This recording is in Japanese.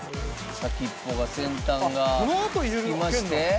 「先っぽが先端が付きまして」